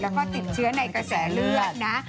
แล้วก็ติดเชื้อในกระแสเลือดนะ